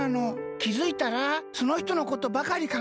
きづいたらそのひとのことばかりかんがえてて。